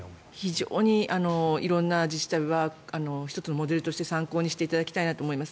非常に色んな自治体は１つのモデルとして参考にしていただきたいなと思います。